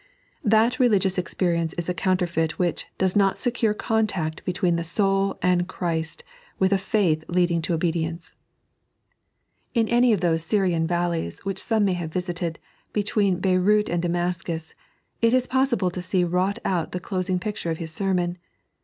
That Religious Experience is a Counterfeit which dobs HOT SECUBE CONTACT BETWEEN THE SoUL AND CHRIST, WITH A Faith lbadiho to Obbdibmce. In any of those Syrian valleys, which some may have visited, between Beyrout and Damascus, it is possible to see_ wrought out the '^cloeing picture of His sennon.